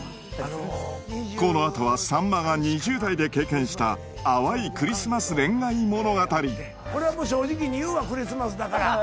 この後はさんまが２０代で経験した淡いクリスマス恋愛物語これはもう正直に言うわクリスマスだから。